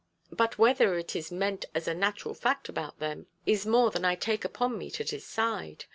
But whether it is meant as a natural fact about them, is more than I take upon me to decide.